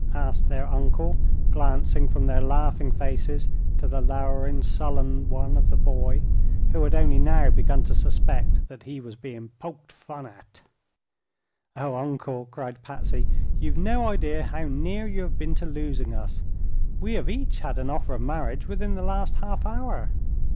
asked their Uncle, glancing from their laughing faces to the lowering, sullen one of the boy, who had only now begun to suspect that he was being "poked fun at." "Oh, Uncle!" cried Patsy; "you've no idea how near you have been to losing us. We have each had an offer of marriage within the last half hour!"